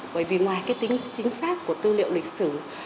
bởi vì ngoài cái tính chính xác của tư liệu lịch sử